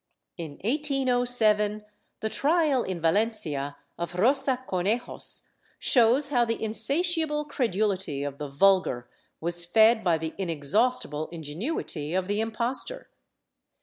^ In 1807 the trial in Valencia of Rosa Conejos shows how the insatiable credulity of the vulgar was fed by the inexhaustible ingenuity of the impostor.